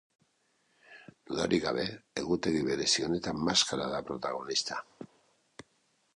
Dudarik gabe egutegi berezi honetan, maskara da protagonista.